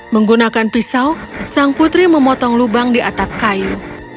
menggunakan pisau sang putri memotong lubang di atap kayu